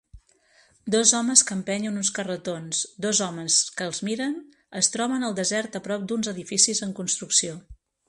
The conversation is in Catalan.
Dos homes que empenyen uns carretons, dos homes que els miren, es troben al desert a prop d'uns edificis en construcció